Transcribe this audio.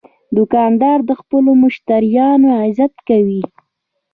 دوکاندار د خپلو مشتریانو عزت کوي.